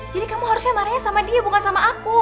jadi kamu harusnya marahnya sama dia bukan sama aku